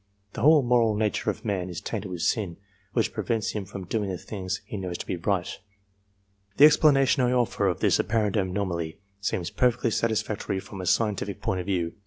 The whole moral nature of man is tainted with sin, which prevents him from doing the things he knows to be right. /The explanation I offer of this apparent anomaly, seems perfectly satisfactory from a scientific point of view.